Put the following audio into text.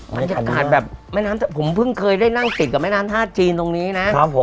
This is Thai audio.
บรรยากาศแบบแม่น้ำผมเพิ่งเคยได้นั่งติดกับแม่น้ำท่าจีนตรงนี้นะครับผม